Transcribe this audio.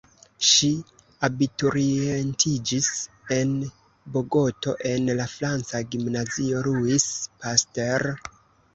Ŝi abiturientiĝis en Bogoto en la franca gimnazio "Louis Pasteur".